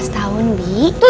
tujuh belas tahun bi